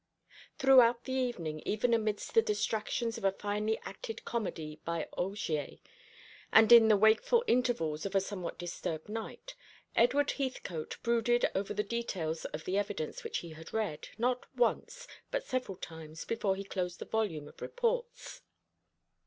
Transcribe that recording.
Throughout the evening, even amidst the distractions of a finely acted comedy by Augier, and in the wakeful intervals of a somewhat disturbed night, Edward Heathcote brooded over the details of the evidence which he had read, not once, but several times, before he closed the volume of reports.